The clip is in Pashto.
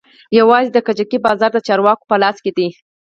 يوازې د کجکي بازار د چارواکو په لاس کښې دى.